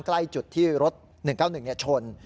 ใกล้จุดที่รถ๑๙๑ชน